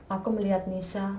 aku melihat nisa